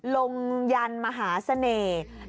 ยันมหาเสน่ห์